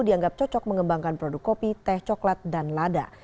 dianggap cocok mengembangkan produk kopi teh coklat dan lada